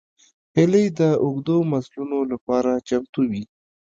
هیلۍ د اوږدو مزلونو لپاره چمتو وي